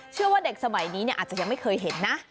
เชื่อว่าเด็กสมัยนี้อาจจะยังไม่เคยเห็นนะ